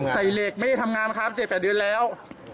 ใส่เหล็กไม่ได้ทำงานครับ๗๘เดือนแล้ว